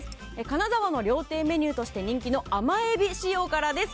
金沢の料亭メニューとして人気の甘えび塩辛です。